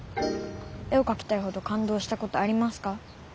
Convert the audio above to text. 絵をかきたいほどかんどうしたことありますか？